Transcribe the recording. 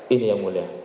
ini yang mulia